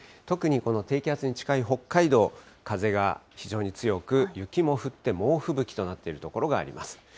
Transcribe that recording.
特にこの低気圧に近い北海道、風が非常に強く、雪も降って猛吹雪となっている所があります。